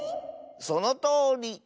そのとおり。